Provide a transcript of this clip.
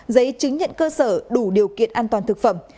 giấy chứng nhận cơ sở đủ điều kiện an toàn thực phẩm